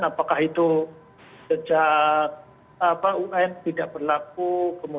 apakah itu sejak un tidak berlaku